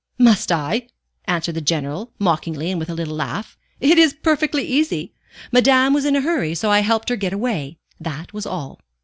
"Must I?" answered the General, mockingly and with a little laugh. "It is perfectly easy. Madame was in a hurry, so I helped her to get away. That was all."